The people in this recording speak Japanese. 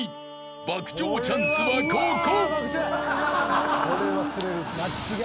［爆釣チャンスはここ！］